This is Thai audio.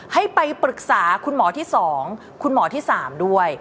ให้ไปปรึกษาคุณหมอที่๒คุณหมอที่๓ด้วย